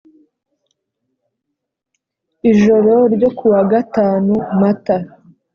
ijoro ryo kuwa gatanu mata